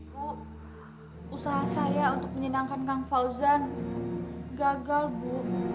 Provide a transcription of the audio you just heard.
bu usaha saya untuk menyenangkan kang fauzan gagal bu